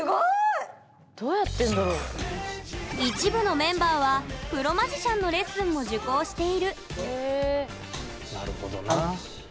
一部のメンバーはプロマジシャンのレッスンも受講しているなるほどな。